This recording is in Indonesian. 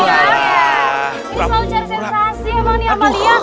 ini selalu cari sensasi emang nih amalia